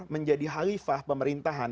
menjadi halifah pemerintahan